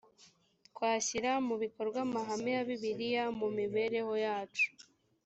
twashyira mu bikorwa amahame ya bibiliya mu mibereho yacu